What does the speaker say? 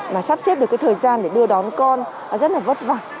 mà sắp xếp được cái thời gian để đưa đón con rất là vất vả